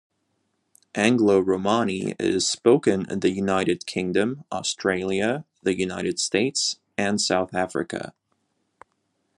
Angloromani is spoken in the United Kingdom, Australia, the United States and South Africa.